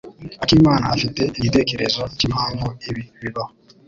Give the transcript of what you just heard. Akimana afite igitekerezo cyimpamvu ibi bibaho.